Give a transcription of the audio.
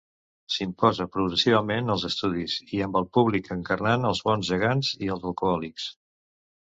S'imposa progressivament als estudis i amb el públic encarnant els bons gegants i els alcohòlics.